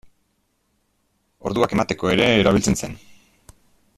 Orduak emateko ere erabiltzen zen.